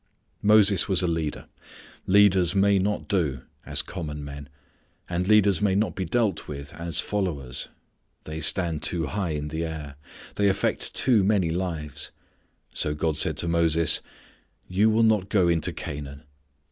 Moses was a leader. Leaders may not do as common men. And leaders may not be dealt with as followers. They stand too high in the air. They affect too many lives. So God said to Moses: "You will not go into Canaan.